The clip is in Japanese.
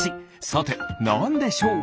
さてなんでしょう？